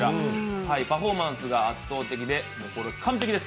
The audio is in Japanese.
パフォーマンスが圧倒的で完璧です。